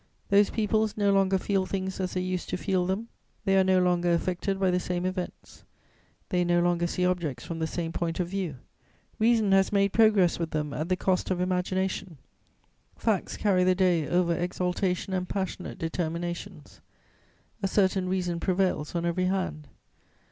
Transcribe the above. Those peoples no longer feel things as they used to feel them; they are no longer affected by the same events; they no longer see objects from the same point of view; reason has made progress with them at the cost of imagination; facts carry the day over exaltation and passionate determinations; a certain reason prevails on every hand.